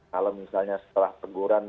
kalau misalnya setelah teguran